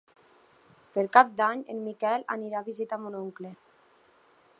Per Cap d'Any en Miquel anirà a visitar mon oncle.